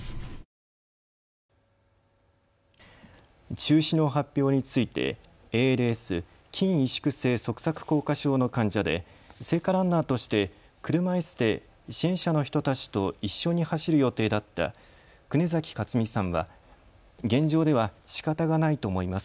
中止の発表についてＡＬＳ・筋萎縮性側索硬化症の患者で聖火ランナーとして車いすで支援者の人たちと一緒に走る予定だった久根崎克美さんは現状では、しかたがないと思います。